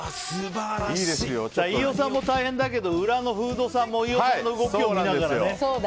飯尾さんも大変だけど裏のフードさんも飯尾さんの動きを見ながらね